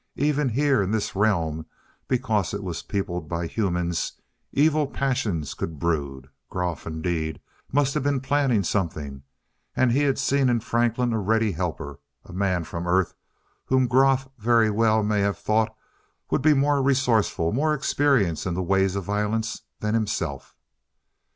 Even here in this realm because it was peopled by humans evil passions could brood. Groff indeed must have been planning something, and he had seen in Franklin a ready helper a man from Earth, whom Groff very well may have thought would be more resourceful, more experienced in the ways of violence than himself.